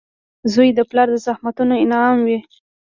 • زوی د پلار د زحمتونو انعام وي.